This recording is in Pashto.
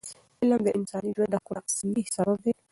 علم د انساني ژوند د ښکلا اصلي سبب دی.